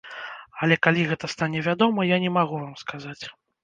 Але калі гэта стане вядома, я не магу вам сказаць.